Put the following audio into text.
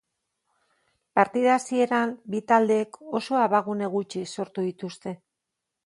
Partida hasieran, bi taldeek oso abagune gutxi sortu dituzte.